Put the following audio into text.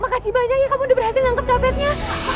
makasih banyak ya kamu udah berhasil nangkep cobatnya